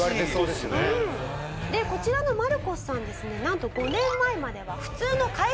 でこちらのマルコスさんですねなんと５年前までは普通の会社員でした。